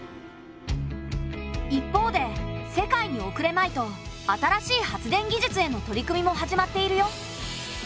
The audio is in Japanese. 一方で世界におくれまいと新しい発電技術への取り組みも始まっているよ。